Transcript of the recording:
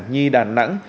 nhi đà nẵng